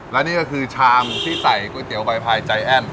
และนี่ก็คือชามที่ใส่ก๋วยเตี๋ยวใบพายใจแอ้น